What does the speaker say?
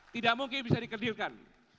tidak mungkin bisa dikendilkan